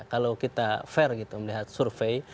kalau kita fair gitu melihat survei